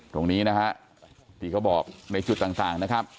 ตรงนี้นะฮะที่เขาบอกในจุดต่างนะครับ